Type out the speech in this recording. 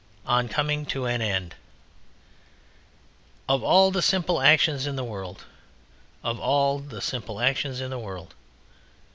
ON COMING TO AN END Of all the simple actions in the world! Of all the simple actions in the world!